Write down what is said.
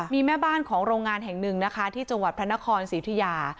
มีแม่บ้านของโรงงานแห่งหนึ่งนะคะที่จังหวัดพระนครศรีอุทิยา